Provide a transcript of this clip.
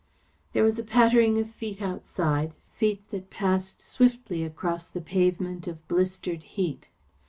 There was a pattering of feet outside; feet that passed swiftly across the pavement of blistered heat.